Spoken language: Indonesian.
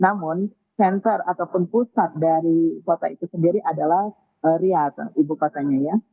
namun senter ataupun pusat dari kota itu sendiri adalah riyadz ibu kota nya ya